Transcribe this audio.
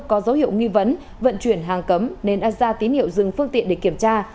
có dấu hiệu nghi vấn vận chuyển hàng cấm nên đã ra tín hiệu dừng phương tiện để kiểm tra